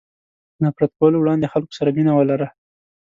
له نفرت کولو وړاندې خلکو سره مینه ولره.